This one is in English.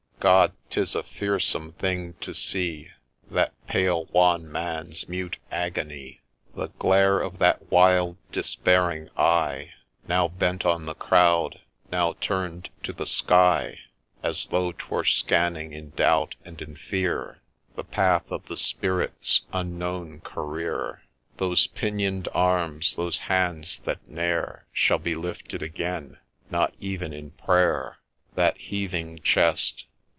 — God ! 'tis a fearsome thing to see That pale wan man's mute agony, — The glare of that wild, despairing eye, Now bent on the crowd, now turn'd to the sky, As though 'twere scanning, in doubt and in fear, The path of the Spirit's unknown career ; Those pinion'd arms, those hands that ne'er Shall be lifted again, — not even in prayer ; That heaving chest